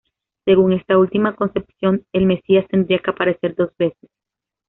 Según esta última concepción, el mesías tendría que aparecer dos veces.